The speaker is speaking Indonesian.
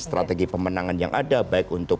strategi pemenangan yang ada baik untuk